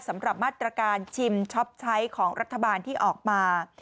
สำหรับมาตรการชิมช็อปใช้ของรัฐบาลที่ออกมา